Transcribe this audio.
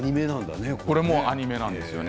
これもアニメなんです。